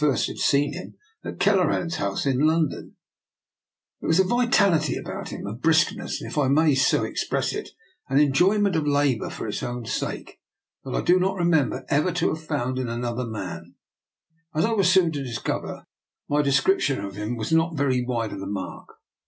There was a vitality about him, a brisk ness, and, if I may so express it, an enjoyment of labour for its own sake, that I do not re member ever to have found in another man. As I was soon to discover, my description of him was not very wide of the mark.